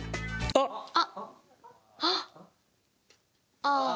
ああ。